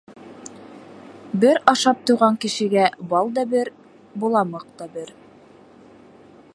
Бер ашап туйған кешегә бал да бер, боламыҡ та бер.